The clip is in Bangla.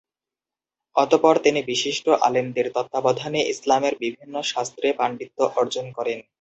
অতঃপর তিনি বিশিষ্ট আলেমদের তত্ত্বাবধানে ইসলামের বিভিন্ন শাস্ত্রে পাণ্ডিত্য অর্জন করেন।